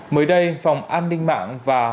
mới đây phòng an ninh mạng và